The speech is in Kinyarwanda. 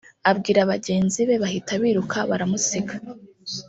abwira bagenzi be bahita biruka baramusiga